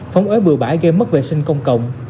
phóng ế bừa bãi gây mất vệ sinh công cộng